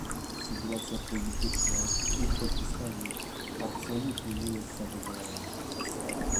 Sytuacja polityczna w Uzbekistanie absolutnie nie jest zadowalająca